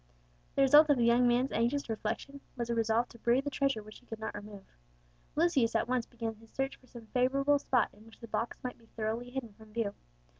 The result of the young man's anxious reflections was a resolve to bury the treasure which he could not remove. Lucius at once began his search for some favourable spot in which the box might be thoroughly hidden from view.